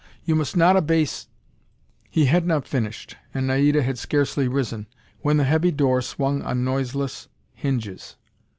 You must not abase " He had not finished, and Naida had scarcely risen, when the heavy door swung on noiseless hinges.